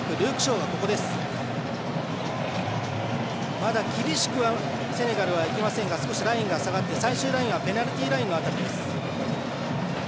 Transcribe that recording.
まだ厳しくセネガルはいきませんが少しラインが下がって最終ラインはペナルティーラインの辺りです。